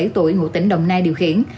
bốn mươi bảy tuổi ngụ tỉnh đồng nai điều khiển